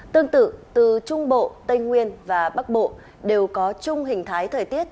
tương tự từ trung bộ tây nguyên và bắc bộ đều có chung hình thái thời tiết